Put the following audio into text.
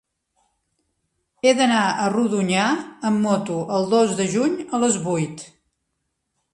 He d'anar a Rodonyà amb moto el dos de juny a les vuit.